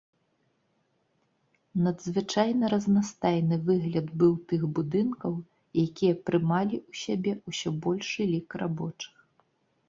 Надзвычайна разнастайны выгляд быў тых будынкаў, якія прымалі ў сябе ўсё большы лік рабочых.